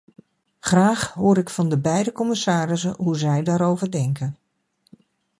Graag hoor ik van de beide commissarissen hoe zij daarover denken.